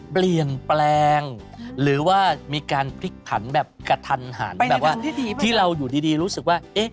ส่วนความรักเขาบอกว่าไง